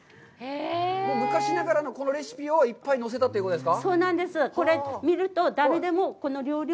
昔ながらのレシピをいっぱい載せたってことですか。